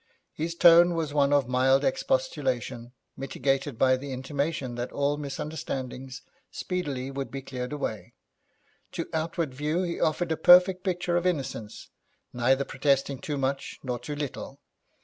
His tone was one of mild expostulation, mitigated by the intimation that all misunderstanding speedily would be cleared away. To outward view he offered a perfect picture of innocence, neither protesting too much nor too little.